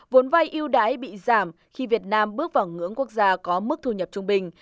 vốn vai yêu đãi bị giảm khi việt nam bước vào ngưỡng quốc gia có mức thu nhập trung bình